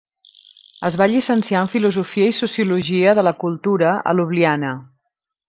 Es va llicenciar en filosofia i sociologia de la cultura a Ljubljana.